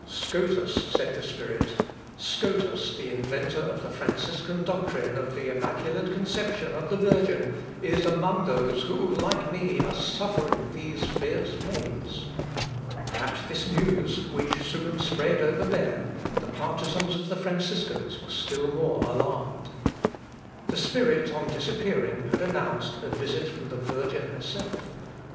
"Scotus," said the spirit, "Scotus, the inventor of the Franciscan doctrine of the immaculate conception of the Virgin, is among those who like me are suffering these fierce pains." At this news, which soon spread over Berne, the partisans of the Franciscans were still more alarmed. The spirit on disappearing had announced a visit from the Virgin herself.